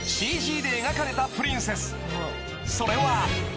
［それは］